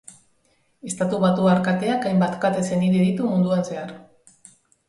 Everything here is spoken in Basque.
Estatubatuar kateak hainbat kate senide ditu munduan zehar.